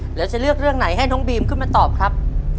แล้วจะเลือกเรื่องไหนให้น้องบีมขึ้นมาตอบครับ